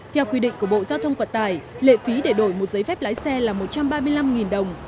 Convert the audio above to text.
theo quy định của bộ giao thông vận tải lệ phí để đổi một giấy phép lái xe là một trăm ba mươi năm đồng